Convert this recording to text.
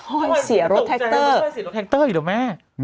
เธอตกใจว่าไม่ใช่เสียรถทรัคเตอร์หรือไหม